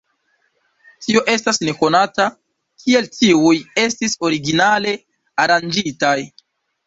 Tio estas nekonata, kiel tiuj estis originale aranĝitaj.